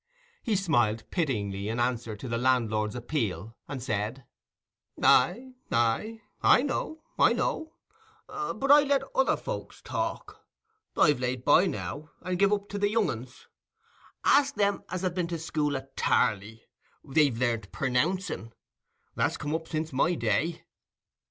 He smiled pityingly, in answer to the landlord's appeal, and said— "Aye, aye; I know, I know; but I let other folks talk. I've laid by now, and gev up to the young uns. Ask them as have been to school at Tarley: they've learnt pernouncing; that's come up since my day."